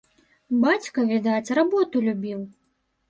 Бацька, відаць, работу любіў.